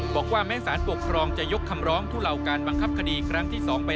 บอกว่าแม้สารปกครองจะยกคำล้อง